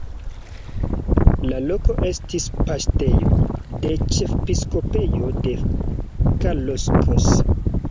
La loko estis paŝtejo de ĉefepiskopejo de Kalocsa.